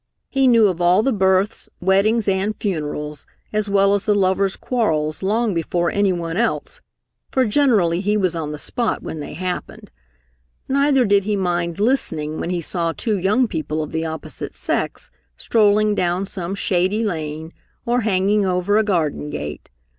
He knew of all the births, weddings and funerals as well as the lovers' quarrels long before anyone else, for generally he was on the spot when they happened. Neither did he mind listening when he saw two young people of the opposite sex strolling down some shady lane, or hanging over a garden gate.